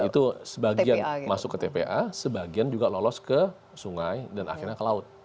dan itu sebagian masuk ke tpa sebagian juga lolos ke sungai dan akhirnya ke laut